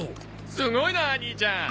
すごいなあ兄ちゃん！